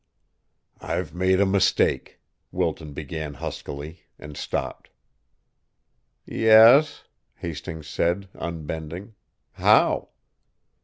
"I've made a mistake," Wilton began huskily, and stopped. "Yes?" Hastings said, unbending. "How?"